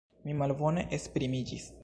Mi malbone esprimiĝis!